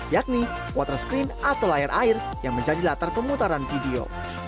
yakni water screen atau layar air yang menjadi latar pemutaran video